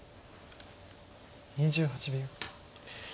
２８秒。